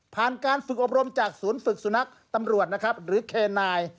การฝึกอบรมจากศูนย์ฝึกสุนัขตำรวจนะครับหรือเคนาย